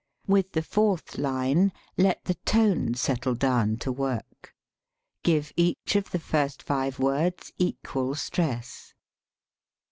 With the fourth line, let the tone settle down to work. Give each of the first five words equal stress.